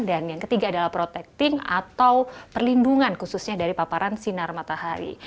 dan yang ketiga adalah protecting atau perlindungan khususnya dari paparan sinar matahari